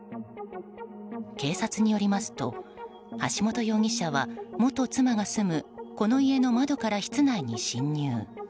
警察によりますと、橋本容疑者は元妻が住むこの家の窓から室内に侵入。